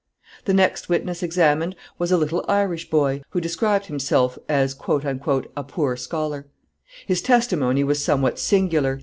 The next witness examined was a little Irish boy, who described himself as "a poor scholar." His testimony was somewhat singular.